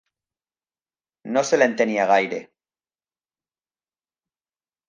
No se l'entenia gaire.